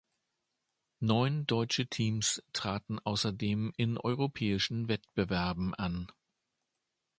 Neun Deutsche Teams traten außerdem in europäischen Wettbewerben an.